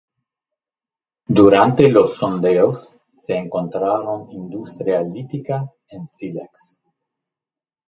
Durante los sondeos se encontraron industria lítica en sílex.